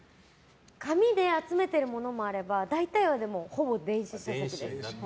紙で集めてるものもあれば大体は、ほぼ電子書籍です。